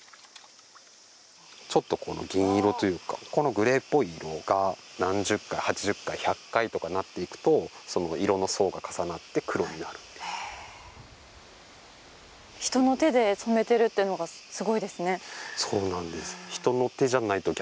ちょっと銀色というかこのグレーっぽい色が何十回８０回１００回とかなっていくと色の層が重なって黒になるへえ人の手で染めてるっていうのがすごいですねそうなんです